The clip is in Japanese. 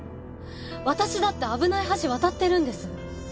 私だって危ない橋渡ってるんです。